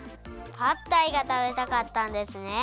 パッタイがたべたかったんですね。